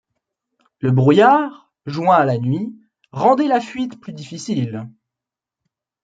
Le brouillard, joint à la nuit, rendait la fuite plus difficile.